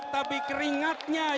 tapi keringatnya yang terima kasih